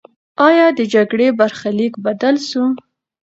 آیا د جګړې برخلیک بدل سو؟